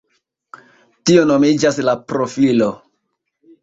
Tio nomiĝas la profilo.